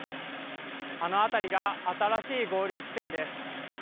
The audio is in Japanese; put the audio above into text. あの辺りが新しい合流地点です。